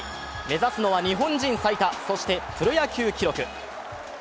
目指すのは日本人最多そしてプロ野球記録。